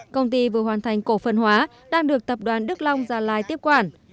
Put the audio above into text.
công ty vừa hoàn thành cổ phần hóa đang được tập đoàn đức long gia lai tiếp quản